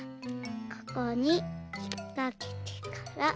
ここにひっかけてから。